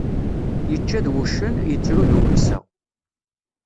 Yečča d wuccen, yettru d umeksa.